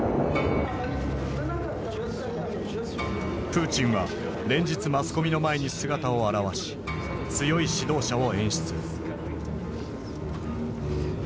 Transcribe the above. プーチンは連日マスコミの前に姿を現し強い指導者を演出。